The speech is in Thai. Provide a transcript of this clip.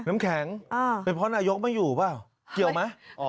น้ำแข็งเป็นเพราะนายกไม่อยู่เปล่าเกี่ยวไหม